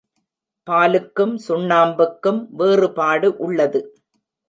பாலுக்கும் சுண்ணாம்புக்கும் வேறுபாடு உள்ளது.